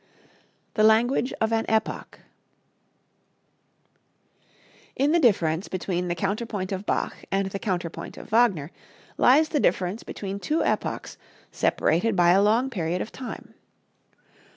The Language of an Epoch. In the difference between the counterpoint of Bach and the counterpoint of Wagner lies the difference between two epochs separated by a long period of time.